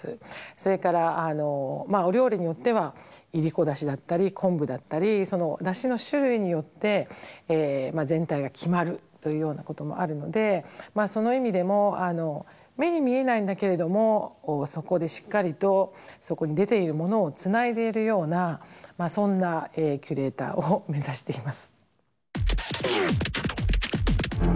それからお料理によってはいりこだしだったり昆布だったり出汁の種類によって全体が決まるというようなこともあるのでその意味でも目に見えないんだけれどもそこでしっかりとそこに出ているものをつないでいるようなそんなキュレーターを目指しています。